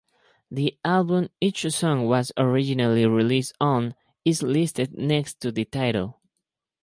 The album each song was originally released on is listed next to the title.